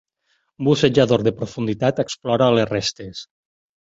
Un bussejador de profunditat explora les restes.